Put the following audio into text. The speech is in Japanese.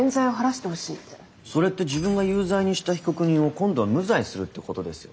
それって自分が有罪にした被告人を今度は無罪にするってことですよね？